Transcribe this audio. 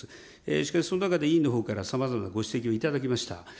しかしその中で委員のほうからさまざまなご指摘を頂きました。